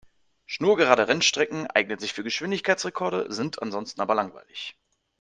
Schnurgerade Rennstrecken eignen sich für Geschwindigkeitsrekorde, sind ansonsten aber langweilig.